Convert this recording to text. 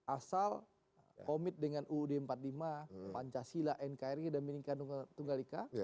asal komit dengan uud empat puluh lima pancasila nkri dan menikah tunggal ika